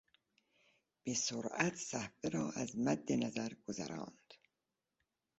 به سرعت صفحه را از مد نظر گذراند.